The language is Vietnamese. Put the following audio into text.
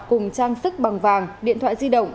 cùng trang sức bằng vàng điện thoại di động